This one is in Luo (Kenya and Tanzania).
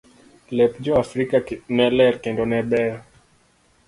Lep jo afrika ne ler kendo beyo.